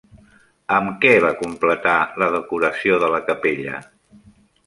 Amb què va completar la decoració de la capella?